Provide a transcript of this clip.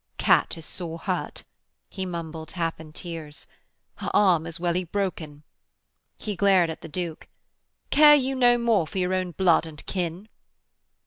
'Kat is sore hurt,' he mumbled, half in tears. 'Her arm is welly broken.' He glared at the Duke. 'Care you no more for your own blood and kin?'